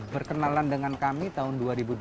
berkenalan dengan kami tahun dua ribu delapan